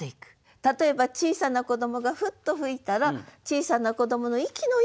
例えば小さな子どもがフッと吹いたら小さな子どもの息のようなかたちになる。